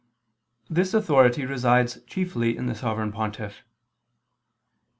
This authority resides chiefly in the Sovereign Pontiff.